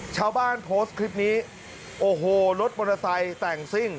โพสต์คลิปนี้โอ้โหรถมอเตอร์ไซค์แต่งซิ่ง